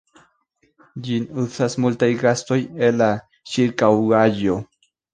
Ĝin uzas multaj gastoj el la ĉirkaŭaĵo.